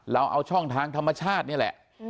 เราเอาช่องทางธรรมชาตินี่แหละ